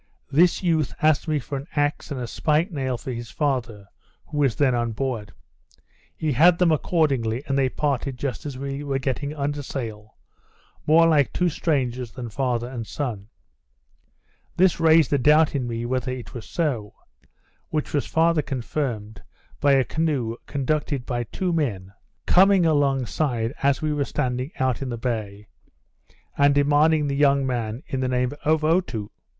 This youth asked me for an axe and a spike nail for his father, who was then on board. He had them accordingly, and they parted just as we were getting under sail, more like two strangers than father and son. This raised a doubt in me whether it was so; which was farther confirmed, by a canoe, conducted by two men, coming along side, as we were standing out of the bay, and demanding the young man in the name of Otoo.